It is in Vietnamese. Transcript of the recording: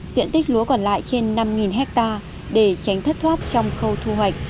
diện tích lúa còn lại trên năm hectare để tránh thất thoát trong khâu thu hoạch